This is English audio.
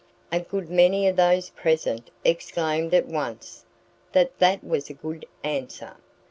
A good many of those present exclaimed at once that that was a good answer.